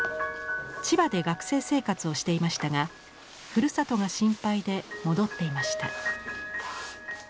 千葉で学生生活をしていましたがふるさとが心配で戻っていました。